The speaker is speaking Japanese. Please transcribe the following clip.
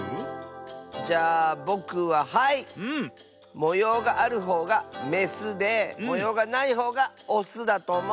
もようがあるほうがメスでもようがないほうがオスだとおもう。